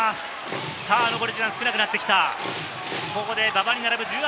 残り時間、少なくなってきた。